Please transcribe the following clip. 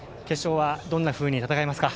どんなふうに戦いますか。